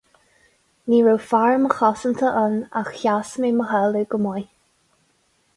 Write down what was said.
Ní raibh fear mo chosanta ann ach sheas mé mo thalamh go maith.